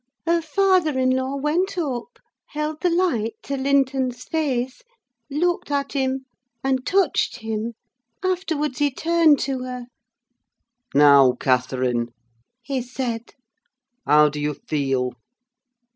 Her father in law went up, held the light to Linton's face, looked at him, and touched him; afterwards he turned to her. "'Now—Catherine,' he said, 'how do you feel?